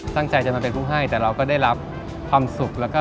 สร้างใจจะมาเป็นผู้ให้แต่เราก็ได้รับความสุข